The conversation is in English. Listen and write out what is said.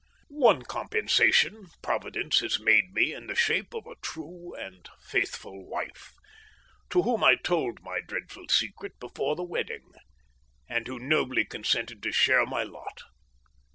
"One compensation Providence has made me in the shape of a true and faithful wife, to whom I told my dreadful secret before the wedding, and who nobly consented to share my lot.